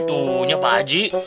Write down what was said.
tuhnya pak haji